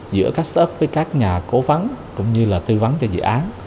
giữa các staff với các nhà cố vấn cũng như là tư vấn cho dự án